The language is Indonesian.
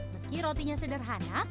meski rotinya sederhana